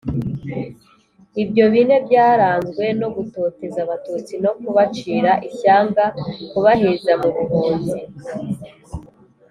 Ibyo bihe byaranzwe no gutoteza abatutsi no kubacira ishyanga kubaheza mu buhunzi